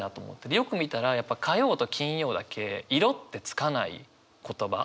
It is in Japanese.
でよく見たらやっぱ火曜と金曜だけ「色」ってつかない言葉。